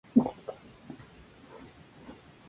Desde el punto de vista de la substancia es eterno.